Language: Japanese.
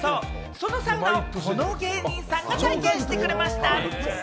そのサウナをこの芸人さんが体験してくれました。